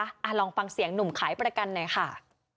ลองฟังเสียงหนุ่มขายประกันหน่อยค่ะ